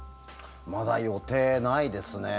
まだ予定ないですね。